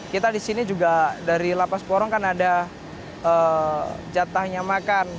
kita di sini juga dari lapas porong kan ada jatahnya makan